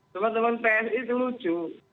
teman teman psi itu lucu